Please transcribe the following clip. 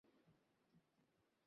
এ ঘরে আপনি একা শোন ছোটবাবু?